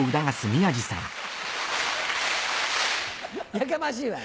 やかましいわ！